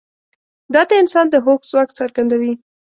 دا د انسان د هوښ ځواک څرګندوي.